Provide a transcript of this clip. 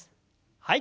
はい。